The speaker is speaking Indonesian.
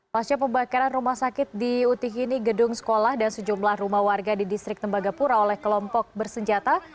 pasca pembakaran rumah sakit di utihini gedung sekolah dan sejumlah rumah warga di distrik tembagapura oleh kelompok bersenjata